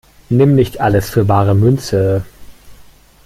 Nimm nicht alles für bare Münze!